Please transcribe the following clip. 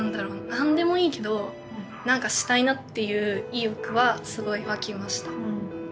何でもいいけど何かしたいなっていう意欲はすごい湧きました。